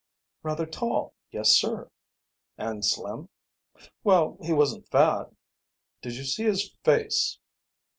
"Rather tall, yes, sir." "And slim?" "Well, he wasn't fat." "Did you see his face?"